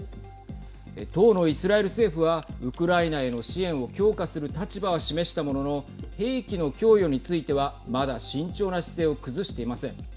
当のイスラエル政府はウクライナへの支援を強化する立場は示したものの兵器の供与についてはまだ慎重な姿勢を崩していません。